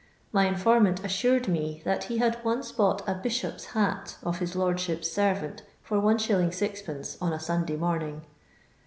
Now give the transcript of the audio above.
My informant auured me that he had once bought a Bishop's bat of his lordship's servant for \$. 6d. on a Snnday morning.